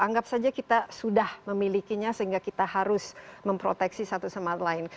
anggap saja kita sudah memilikinya sehingga kita harus memproteksi satu sama lain